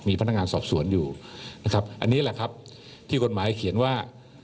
มีพนักงานสอบสวนอยู่นะครับอันนี้แหละครับที่กฎหมายเขียนว่า